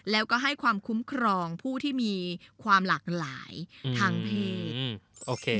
แล้วก็ให้ความคุ้มครองผู้ที่มีความหลากหลายทางเพศโอเค